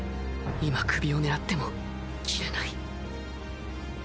今首を狙っても斬れない